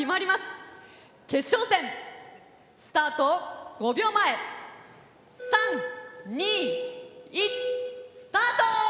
決勝戦スタート５秒前３・２・１スタート！